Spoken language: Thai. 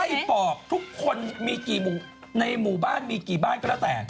ปอกทุกคนมีกี่ในหมู่บ้านมีกี่บ้านก็แล้วแต่